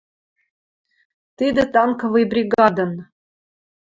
Тидӹ танковый бригадын